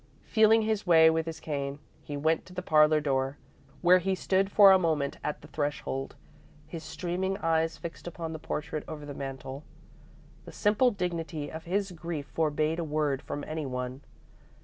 Feeling his way with his cane, he went to the parlour door, where he stood for a moment at the threshold, his streaming eyes fixed upon the portrait over the mantel. The simple dignity of his grief forbade a word from any one.